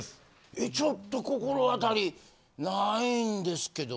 えちょっと心当たりないんですけど。